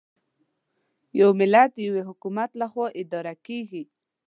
یو ملت د یوه حکومت له خوا اداره کېږي.